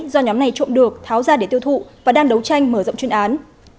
do nhóm này trộm được tháo ra để tiêu thụ và đang đấu tranh mở rộng chuyên án